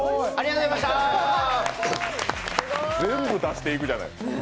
全部出していくじゃない。